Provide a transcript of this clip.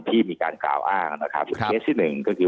ท่านรองโฆษกครับ